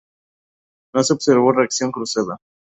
No se observó reacción cruzada.